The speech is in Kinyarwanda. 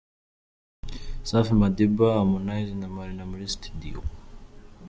Safi Madiba, Harmonize na Marina muri studio.